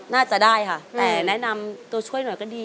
น่าจะได้ค่ะแต่แนะนำตัวช่วยหน่อยก็ดี